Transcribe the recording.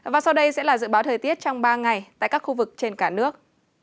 và sau đây sẽ là dự báo thời tiết trong ba ngày tại các khu vực trên cả nước